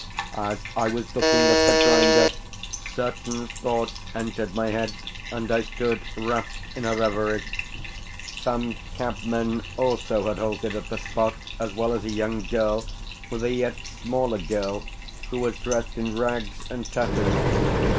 As I was looking at the grinder, certain thoughts entered my head and I stood wrapped in a reverie. Some cabmen also had halted at the spot, as well as a young girl, with a yet smaller girl who was dressed in rags and tatters.